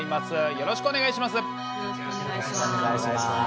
よろしくお願いします。